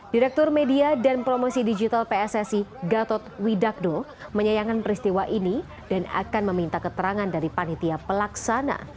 direktur media dan promosi digital pssi gatot widakdo menyayangkan peristiwa ini dan akan meminta keterangan dari panitia pelaksana